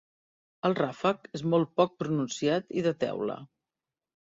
El ràfec és molt poc pronunciat i de teula.